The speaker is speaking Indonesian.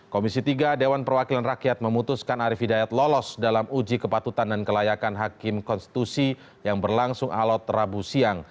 komisi tiga dewan perwakilan rakyat memutuskan arief hidayat lolos dalam uji kepatutan dan kelayakan hakim konstitusi yang berlangsung alot rabu siang